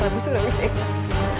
ibu nda takut